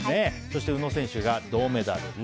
そして宇野選手が銅メダル。